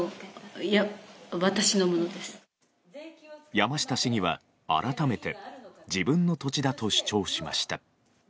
山下市議は改めて自分の土地だと主張しました。